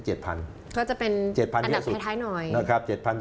ก็จะเป็นอันดับท้ายหน่อย